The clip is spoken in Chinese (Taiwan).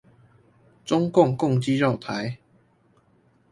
中共共機繞台